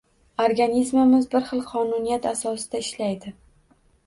Organizmimiz bir xil qonuniyat asosida ishlaydi.